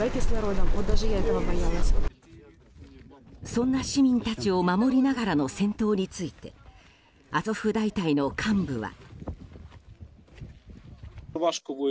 そんな市民たちを守りながらの戦闘についてアゾフ大隊の幹部は。